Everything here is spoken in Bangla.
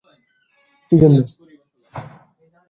গুগলের তৈরী।